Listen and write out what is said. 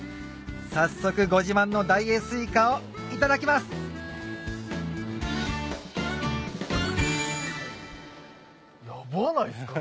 早速ご自慢の大栄すいかをいただきますヤバないですか？